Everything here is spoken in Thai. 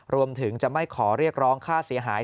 รวมถึงจะไม่ขอเรียกร้องค่าเสียหาย